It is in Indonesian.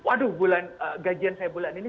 waduh gajian saya bulan ini